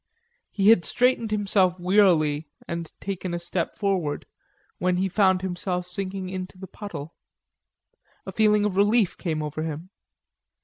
He had straightened himself wearily and taken a step forward, when he found himself sinking into the puddle. A feeling of relief came over him.